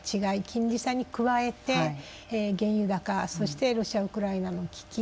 金利差に加えて原油高そしてロシアウクライナの危機。